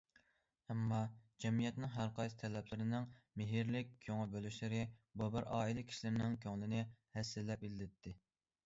ئەمما جەمئىيەتنىڭ ھەرقايسى تەرەپلىرىنىڭ مېھىرلىك كۆڭۈل بۆلۈشلىرى بۇ بىر ئائىلە كىشىلىرىنىڭ كۆڭلىنى ھەسسىلەپ ئىللىتتى.